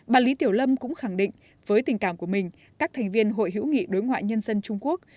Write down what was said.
bà lý tiểu lâm cũng khẳng định với tình cảm của mình các thành viên hội hữu nghị đối ngoại nhân dân trung quốc